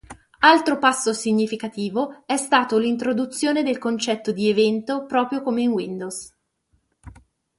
Altro passo significativo è stato l'introduzione del concetto di "evento", proprio come in Windows.